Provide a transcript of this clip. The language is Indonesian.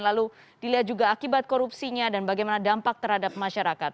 lalu dilihat juga akibat korupsinya dan bagaimana dampak terhadap masyarakat